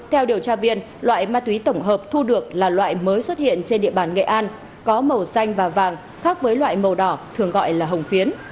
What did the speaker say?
theo điều tra viên loại ma túy tổng hợp thu được là loại mới xuất hiện trên địa bàn nghệ an có màu xanh và vàng khác với loại màu đỏ thường gọi là hồng phiến